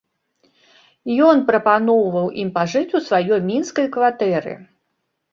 Ён прапаноўваў ім пажыць у сваёй мінскай кватэры.